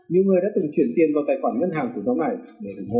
nhiều người đã từng chuyển tiền vào tài khoản ngân hàng của nhóm này để ủng hộ